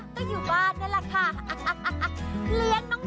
คุณก๊อตรียังไหวน้องแจ๊กริมจอต้องมารับของเจ้าชายลูกทุ่ง